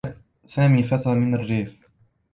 سامي فتى من الرّيف.